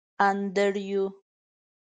انډریو.